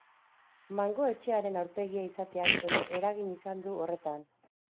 Mango etxearen aurpegia izateak ere eragin izan du horretan.